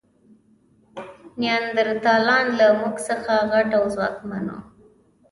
نیاندرتالان له موږ څخه غټ او ځواکمن وو.